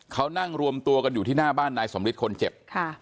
เขานั่งรวมตัวกันอยู่ที่หน้าบ้านนายสมฤทธิ์คนเจ็บ